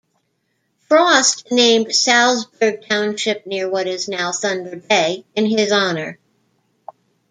Frost named Salsberg Township near what is now Thunder Bay in his honour.